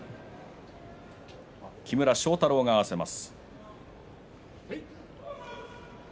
木村庄太郎が合わせます。